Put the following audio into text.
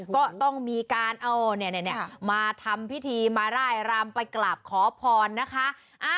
ก็ต้องมีการเอามาทำพิธีมาร่ายรำไปกราบขอพรนะคะ